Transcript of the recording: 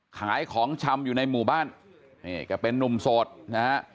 ขายของชำอยู่ในหมู่บ้านนี่แกเป็นนุ่มโสดนะฮะ